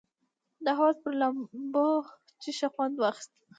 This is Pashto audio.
د حوض پر لامبو یې ښه خوند واخیست.